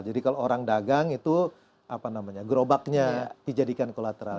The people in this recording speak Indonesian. jadi kalau orang dagang itu gerobaknya dijadikan kolateral